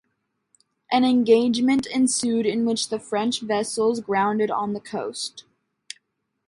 An engagement ensued in which the French vessels grounded on the coast.